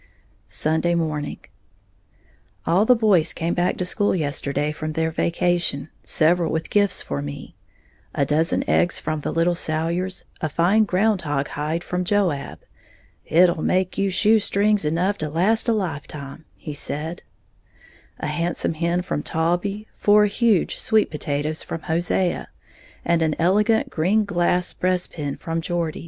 Sunday Morning. All the boys came back to school yesterday from their vacation, several with gifts for me, a dozen eggs from the little Salyers, a fine ground hog hide from Joab ("it'll make you shoe strings enough to last a lifetime," he said), a handsome hen from Taulbee, four huge sweet potatoes from Hosea, and an elegant green glass breastpin from Geordie.